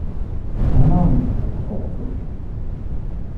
Un homme ! répéta-t-elle affolée.